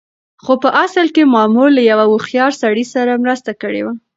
خو په اصل کې مامور له يوه هوښيار سړي سره مرسته کړې وه.